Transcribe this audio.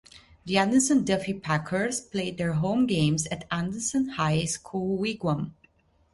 The Anderson Duffey Packers played their home games at Anderson High School Wigwam.